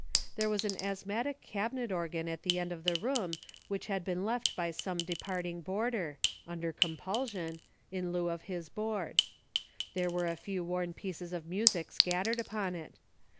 There Avas an asthmatic cabinet organ at the end of the room Avhich had been left by some depart ing boarder, (under compulsion) in lieu of his board. There Avere a few Avorn pieces of music scattered upon it.